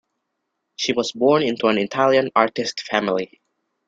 She was born into an Italian artist family.